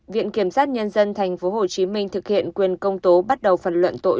viện kiểm sát nhân dân tp hcm thực hiện quyền công tố bắt đầu phần luận tội